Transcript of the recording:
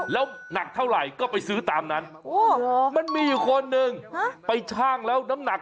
แล้วหนักเท่าไหร่ก็ไปซื้อตามนั้นมันมีอยู่คนหนึ่งไปชั่งแล้วน้ำหนัก